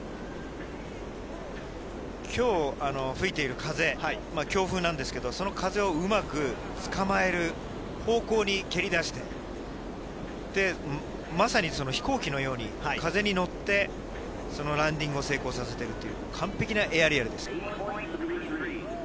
きょう、吹いている風、強風なんですけど、その風をうまくつかまえる方向に蹴りだして、まさに飛行機のように風に乗って、そのランディングを成功させていくという、完璧なエアリアルです。